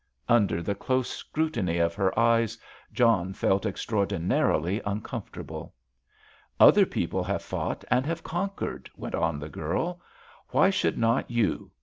Under the close scrutiny of her eyes John felt extraordinarily uncomfortable. "Other people have fought and have conquered," went on the girl. "Why should not you?